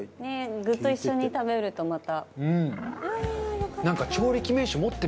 具と一緒に食べると、また。